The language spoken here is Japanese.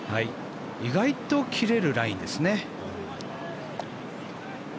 意外と切れるラインですね。